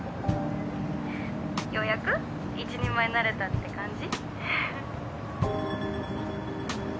ようやく一人前になれたって感じ？